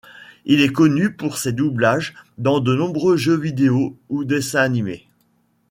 Il est connu pour ces doublages dans de nombreux jeux vidéo ou dessins animés.